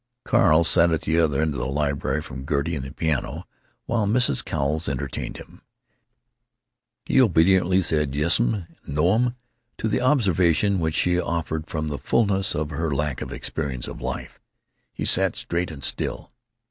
Carl sat at the other end of the library from Gertie and the piano, while Mrs. Cowles entertained him. He obediently said "Yessum" and "No, 'm" to the observations which she offered from the fullness of her lack of experience of life. He sat straight and still.